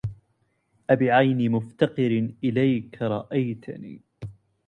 أبعين مفتقر إليك رايتني